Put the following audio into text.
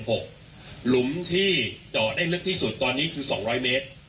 หลุมที่เจาะได้ลึกที่สุดตอนนี้คือ๒๐๐เมตร